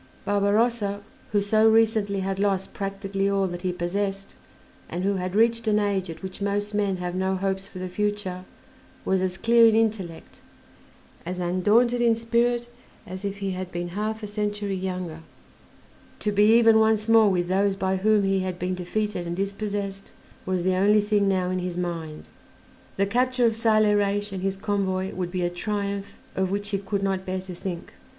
Barbarossa, who so recently had lost practically all that he possessed, and who had reached an age at which most men have no hopes for the future, was as clear in intellect, as undaunted in spirit, as if he had been half a century younger: to be even once more with those by whom he had been defeated and dispossessed was the only thing now in his mind. The capture of Saleh Reis and his convoy would be a triumph of which he could not bear to think.